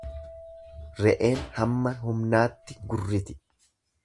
Re'een hamma humnaatti gurriti.